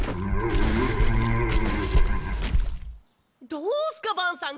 どうすかバンさん？